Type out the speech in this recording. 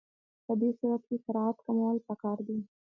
په دې صورت کې سرعت کمول پکار دي